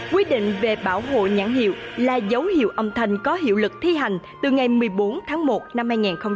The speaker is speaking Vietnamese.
quy định về bảo hộ nhãn hiệu là dấu hiệu âm thanh có hiệu lực thi hành từ ngày một mươi bốn tháng một năm hai nghìn hai mươi